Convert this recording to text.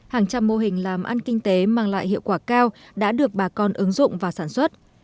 hàng trăm mô hình làm ăn kinh tế mang lại hiệu quả cao đã được bà con ứng dụng và sản xuất